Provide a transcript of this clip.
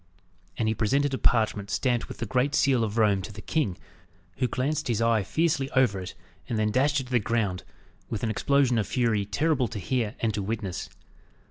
And he presented a parchment, stamped with the great seal of Rome, to the king, who glanced his eye fiercely over it, and then dashed it to the ground, with an explosion of fury terrible to hear and to witness.